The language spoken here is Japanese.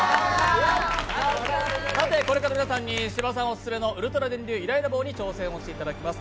これから皆さんに芝さんオススメのウルトラ電流イライラ棒に挑戦していただきます。